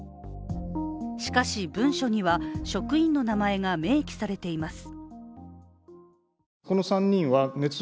しかし、文書には職員の名前が明記されています。